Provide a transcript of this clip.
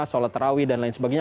sholat terawih dan lain sebagainya